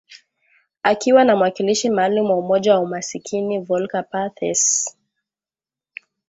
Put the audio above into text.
akiwa na mwakilishi maalum wa umoja wa umasikini Volker Perthes